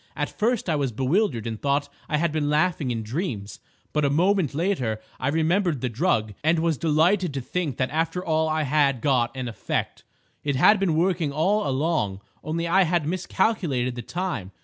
At first I was bewildered and thought I had been laughing in dreams, but a moment later I remembered the drug, and was delighted to think that after all I had got an effect. It had been working all along, only I had miscalculated the time.